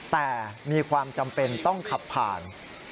แต่มีความจำเป็นต้องขับผ่าน